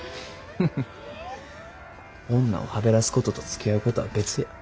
フフッ女をはべらすこととつきあうことは別や。